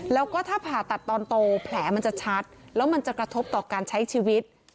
แล้วก็ถ้าผ่าตัดตอนโตแผลมันจะชัดแล้วมันจะกระทบต่อการใช้ชีวิต